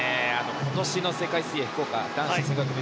今年の世界水泳福岡男子１５００